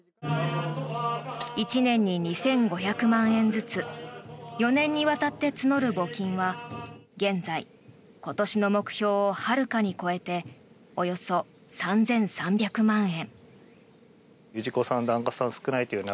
１年に２５００万円ずつ４年にわたって募る募金は現在、今年の目標をはるかに超えておよそ３３００万円。